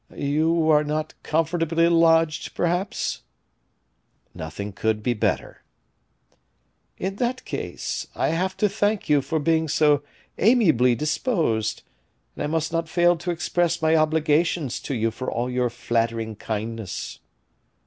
"You are not comfortably lodged, perhaps?" "Nothing could be better." "In that case, I have to thank you for being so amiably disposed, and I must not fail to express my obligations to you for all your flattering kindness."